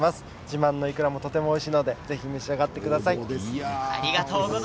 島のいくらもおいしいのでぜひ召し上がってください。